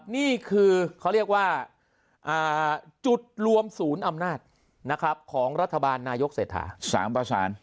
นี่คือเขาเรียกว่าจุดรวมศูนย์อำนาจของรัฐบาลนายกเศรษฐา๓ประสาน